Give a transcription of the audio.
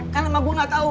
karena emak gue gak tau